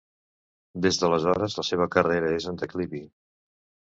Des d’aleshores, la seva carrera és en declivi.